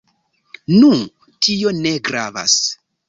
Nu, tio ne gravas.